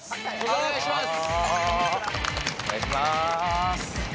お願いします